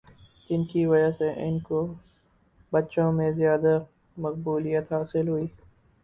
جس کی وجہ سے ان کو بچوں میں زیادہ مقبولیت حاصل ہوئی